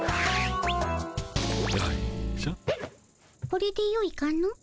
これでよいかの？